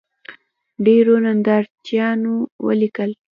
ډېرو نندارچیانو ولیکل